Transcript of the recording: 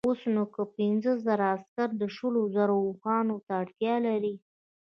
اوس نو که پنځه زره عسکر شلو زرو اوښانو ته اړتیا لري.